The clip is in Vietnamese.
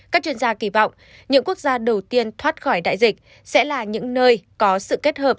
các chuyên gia kỳ vọng những quốc gia đầu tiên thoát khỏi đại dịch sẽ là những nơi có sự kết hợp